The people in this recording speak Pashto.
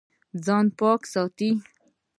ځان پاک ساتئ